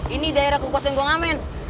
ini daerah kekuasaan gua ngamen